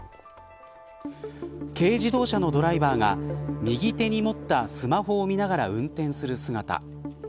軽自動車のドライバーが右手に持ったスマホを見ながら運転する姿。